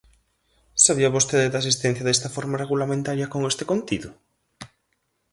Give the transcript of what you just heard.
¿Sabía vostede da existencia desta reforma regulamentaria con este contido?